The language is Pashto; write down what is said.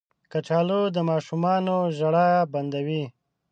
کچالو د ماشومانو ژړا بندوي